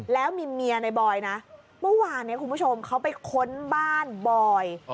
แล้วมีเมียในบอยนะเมื่อวานนี้คุณผู้ชมเขาไปค้นบ้านบอย